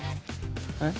えっ？